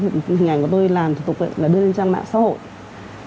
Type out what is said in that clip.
hình ảnh của tôi làm thủ tục là đưa lên trang mạng xã hội